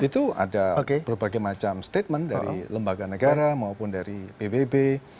itu ada berbagai macam statement dari lembaga negara maupun dari pbb